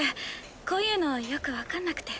こういうのよく分かんなくて。